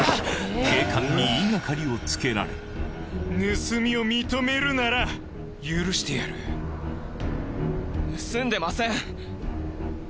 警官に言いがかりをつけられ盗みを認めるなら許してやる盗んでません！